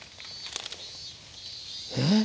えっ？